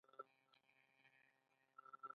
د مراجعینو ځورول نارضایت زیاتوي.